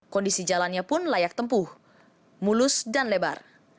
kondisi jalannya pun layak tempuh mulus dan lebar